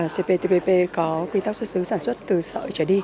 cptpp có quy tắc xuất xứ sản xuất từ sợi trở đi